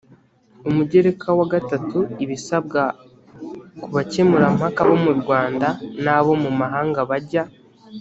umugereka wa iii ibisabwa ku bakemurampaka bo mu rwanda n abo mu mahanga bajya